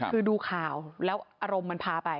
คือดูข่าวแล้วอารมณ์มันพาไป